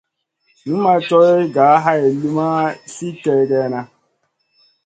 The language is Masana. Numaʼ coyh ga hay liyn ma sli kègèna.